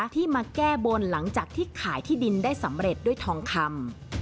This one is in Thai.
ที่มาแก้บนหลังจากที่ขายที่ดินได้สำเร็จด้วยทองคำ